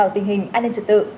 tình hình an ninh trật tự